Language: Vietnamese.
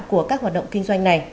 của các hoạt động kinh doanh này